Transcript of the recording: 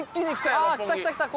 あ来た来た来た